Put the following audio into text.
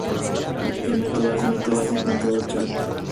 El mijo es el alimento básico en todo Chad.